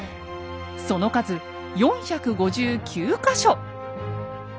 その数４５９か所。